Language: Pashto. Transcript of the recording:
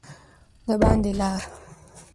د باندي لاړ.